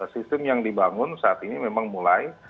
sistem yang dibangun saat ini memang mulai